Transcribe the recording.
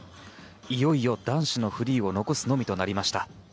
いよいよ男子のフリーを残すのみとなりました。